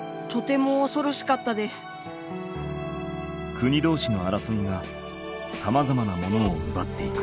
国同士の争いがさまざまなものを奪っていく。